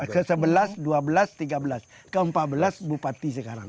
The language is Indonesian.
ke tiga belas ke empat belas bupati sekarang